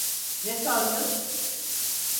Ne sandın?